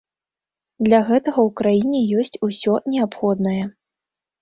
Для гэтага ў краіне ёсць усе неабходнае.